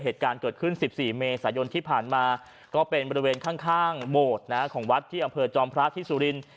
เหตุการณ์เกิดขึ้น๑๔เมษายนที่ผ่านมาก็เป็นบริเวณข้างโบสถ์ของวัดที่อำเภอจอมพระที่สุรินทร์